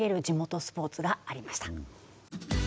地元スポーツがありました